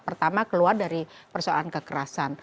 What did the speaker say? pertama keluar dari persoalan kekerasan